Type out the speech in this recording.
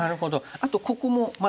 あとここもまだ。